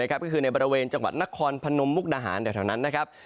ก็คือในบริเวณจังหวัดนคอนพนมมุกนาหารเท่านั้นนั้น